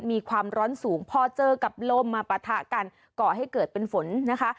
มีความร้อนสูงพอเจอกับลมมาปะทะกันก่อให้เกิดเป็นฝนนะคะ